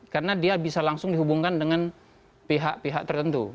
karena dia bisa langsung dihubungkan dengan pihak pihak tertentu